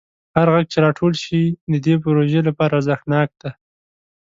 هر غږ چې راټول شي د دې پروژې لپاره ارزښتناک دی.